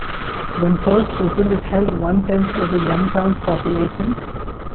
When first opened, it held one-tenth of the young town's population.